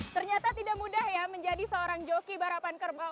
ternyata tidak mudah ya menjadi seorang joki barapan kerbau